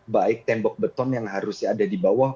baik tembok beton yang harusnya ada di bawah